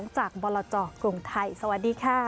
จากบรจกรุงไทยสวัสดีค่ะ